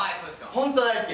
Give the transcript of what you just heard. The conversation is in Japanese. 本当大好き。